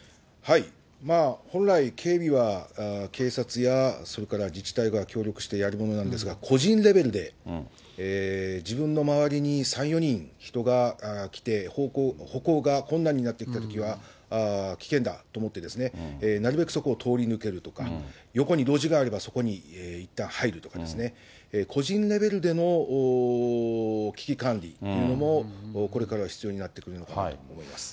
本来、警備は警察や、それから自治体が協力してやるものなんですが、個人レベルで自分の周りに３、４人、人が来て、歩行が困難になってきたときは、危険だと思ってですね、なるべくそこを通り抜けるとか、横に路地があればそこにいったん入るとかですね、個人レベルでの危機管理というのも、これから必要になってくるのかなと思います。